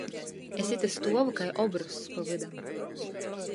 Es ite stuovu kai obrozs pa vydam.